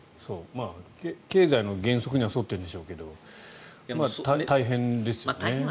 経済の原則には沿っているんでしょうけど大変でしょうね。